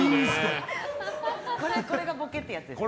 これがボケってやつですか？